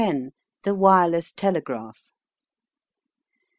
THE WIRELESS TELEGRAPH.